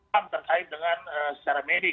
tetapi mungkin saya terkait dengan secara medis